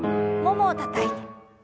ももをたたいて。